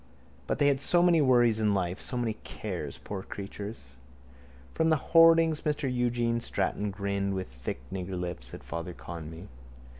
_ But they had so many worries in life, so many cares, poor creatures. From the hoardings Mr Eugene Stratton grimaced with thick niggerlips at Father Conmee.